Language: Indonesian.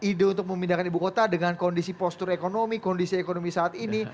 ide untuk memindahkan ibu kota dengan kondisi postur ekonomi kondisi ekonomi saat ini